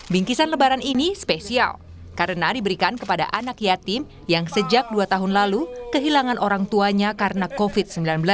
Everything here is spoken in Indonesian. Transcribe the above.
bingkisan lebaran ini spesial karena diberikan kepada anak yatim yang sejak dua tahun lalu kehilangan orang tuanya karena covid sembilan belas